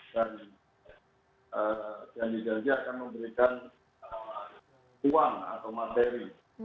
dan yang dijanji akan memberikan uang atau materi